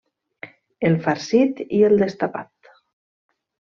El farcit i el destapat.